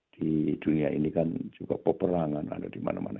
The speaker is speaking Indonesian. di dunia ini kan juga peperangan ada dimana mana